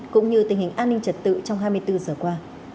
cũng như tình hình an ninh trật tự trong hai mươi bốn giờ qua